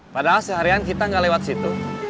padahal seharian kita nggak lewat situ